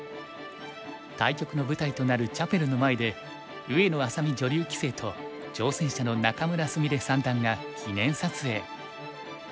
対局の舞台となるチャペルの前で上野愛咲美女流棋聖と挑戦者の仲邑菫三段が記念撮影。